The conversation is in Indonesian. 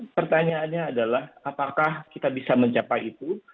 pertanyaannya adalah apakah kita bisa mencapai itu